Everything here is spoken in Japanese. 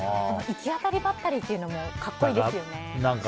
行き当たりばったりというのも格好いいですよね。